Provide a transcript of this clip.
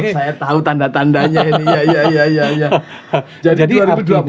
saya tahu tanda tandanya ini